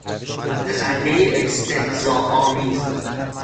خندهی استهزا آمیز